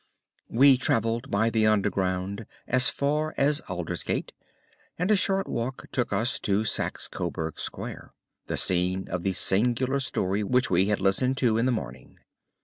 We travelled by the Underground as far as Aldersgate; and a short walk took us to Saxe Coburg Square, the scene of the singular story which we had listened to in the morning.